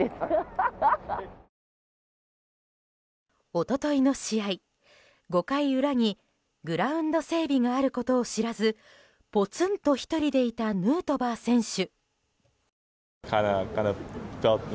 一昨日の試合、５回裏にグラウンド整備があることを知らずぽつんと１人でいたヌートバー選手。